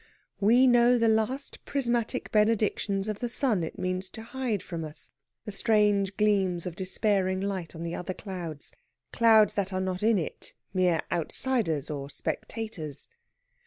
We know the last prismatic benedictions of the sun it means to hide from us the strange gleams of despairing light on the other clouds clouds that are not in it, mere outsiders or spectators.